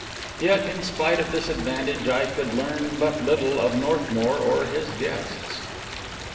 Yet, in spite of this advantage, I could learn but little of Northmour or his guests.